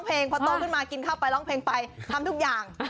เพลงพอโตขึ้นมากินข้าวไปร้องเพลงไปทำทุกอย่าง